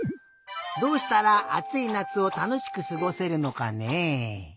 どうしたらあついなつをたのしくすごせるのかね。